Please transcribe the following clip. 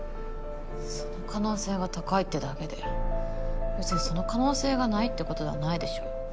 その可能性が高いってだけで別にその可能性がないってことではないでしょ。